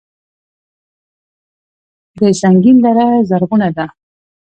د سنګین دره زرغونه ده